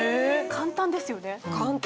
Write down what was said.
簡単ですよね。